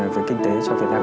về kinh tế cho việt nam